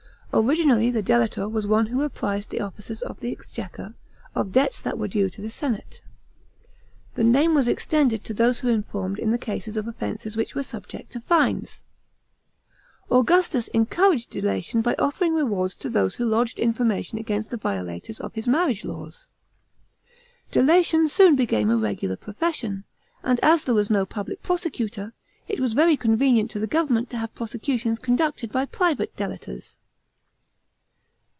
Originally the delator was one who apprized the officers of the exchequer, of debts that were due to the state. The name was extended to those who informed in the cases of offences which were subj ct to fines. Augustus encouraged delation by offering rewards to those who lodged information against the violators of his marriage laws. Delation soon became a regular profession, and as there was no public prosecutor, it was very con venient to the government to have prosecutions conducted by private delators.